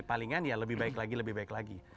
palingan ya lebih baik lagi lebih baik lagi